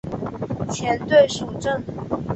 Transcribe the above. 前队属正。